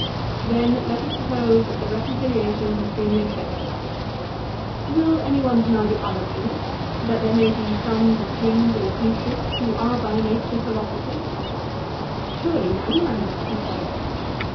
Then let us suppose that the reconciliation has been effected. Will any one deny the other point, that there may be sons of kings or princes who are by nature philosophers? Surely no man, he said.